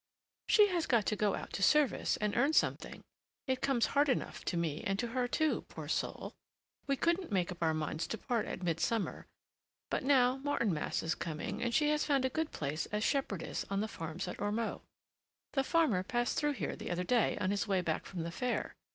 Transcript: "She has got to go out to service and earn something. It comes hard enough to me and to her, too, poor soul! We couldn't make up our minds to part at midsummer; but now Martinmas is coming, and she has found a good place as shepherdess on the farms at Ormeaux. The farmer passed through here the other day on his way back from the fair.